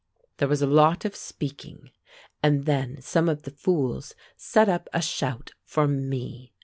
"There was a lot of speaking, and then some of the fools set up a shout for me.